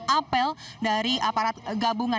apel dari aparat gabungan